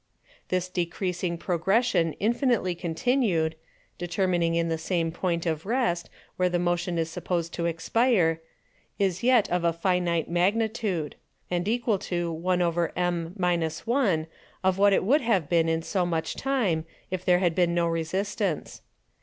10. This decreasing Progression infinitely continued (determining in the same Point of Rest, where the Motion is supposed to expire) is yet of a finite Magnitude; and equal to 1/(m 1), of what it would have been in so much Time, if there had been no Resistance.